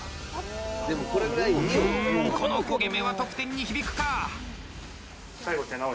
うんこの焦げ目は得点に響くか。